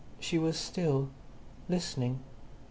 She was still, listening.